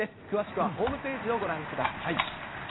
詳しくはホームページをご覧ください。